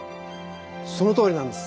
そのとおりなんです。